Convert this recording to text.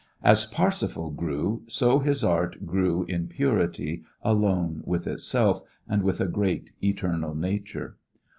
As Parsifal grew so his art grew in purity alone with itself and with a great eternal Nature.